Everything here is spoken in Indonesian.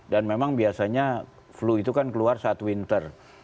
dan memang biasanya flu itu kan keluar saat winter